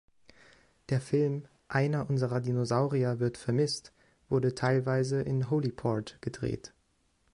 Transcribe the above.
Der Film, Einer unserer Dinosaurier wird vermisst, wurde teilweise in Holyport gedreht.